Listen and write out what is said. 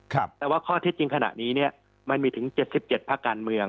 ครับแต่ว่าข้อที่จริงขณะนี้เนี้ยมันมีถึงเจ็ดสิบเจ็ดพักการเมือง